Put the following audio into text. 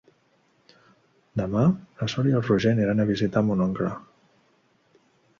Demà na Sol i en Roger iran a visitar mon oncle.